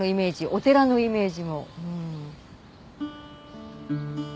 お寺のイメージも。